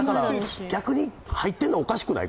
逆に入ってるのおかしくない？